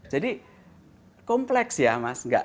jadi kompleks ya mas